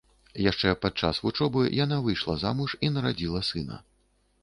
Яшчэ падчас вучобы яна выйшла замуж і нарадзіла сына.